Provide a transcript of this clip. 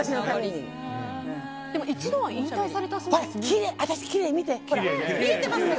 一度は引退されたそうですね。